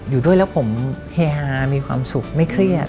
อยู่ด้วยแล้วผมเฮฮามีความสุขไม่เครียด